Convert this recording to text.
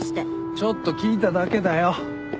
ちょっと聞いただけだよ。